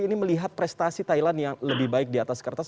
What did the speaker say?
ini melihat prestasi thailand yang lebih baik di atas kertas